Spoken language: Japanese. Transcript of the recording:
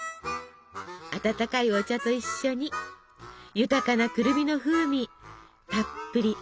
温かいお茶と一緒に豊かなくるみの風味たっぷり味わって！